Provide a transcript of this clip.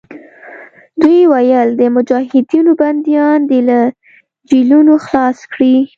دوی ویل د مجاهدینو بندیان دې له جېلونو خلاص کړي.